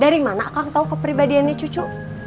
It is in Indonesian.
dari mana kang tahu kepribadiannya cucu